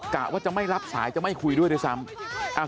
กะว่าจะไม่รับสายจะไม่คุยด้วยด้วยซ้ำ